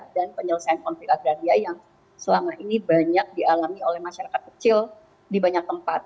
dan penyelesaian konflik agraria yang selama ini banyak dialami oleh masyarakat kecil di banyak tempat